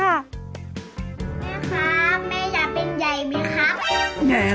แม่ครับแม่อยากเป็นใหญ่ไหมครับ